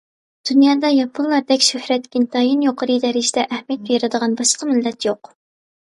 دۇنيادا ياپونلاردەك شۆھرەتكە ئىنتايىن يۇقىرى دەرىجىدە ئەھمىيەت بېرىدىغان باشقا مىللەت يوق.